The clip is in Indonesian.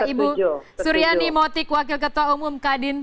ibu suryani motik wakil ketua umum kadin